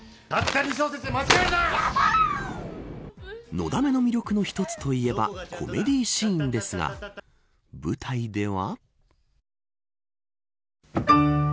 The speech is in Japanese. のだめの魅力の一つといえばコメディーシーンですが舞台では。